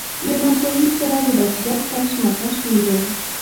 له ناپوهۍ سره د بصیرت کشمکش وینو.